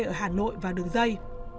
ở hà nội vào đường dây